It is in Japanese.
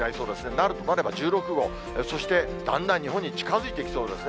なるとなれば１６号、そしてだんだん日本に近づいてきそうですね。